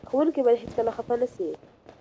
ښوونکي باید هېڅکله خفه نه سي.